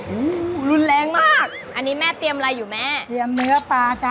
อืมรุนแรงมากอันนี้แม่เตรียมอะไรอยู่แม่เตรียมเนื้อปลาจ้ะ